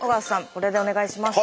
これでお願いします。